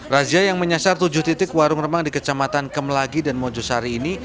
razia yang menyasar tujuh titik warung remang di kecamatan kemlagi dan mojosari ini